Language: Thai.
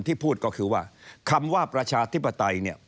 ที่พูดก็คือว่าคำว่าประชาธิปไตยเนี่ย